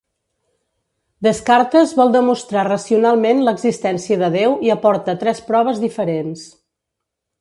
Descartes vol demostrar racionalment l'existència de Déu i aporta tres proves diferents.